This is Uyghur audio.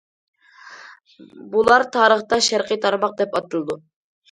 بۇلار تارىختا« شەرقىي تارماق» دەپ ئاتىلىدۇ.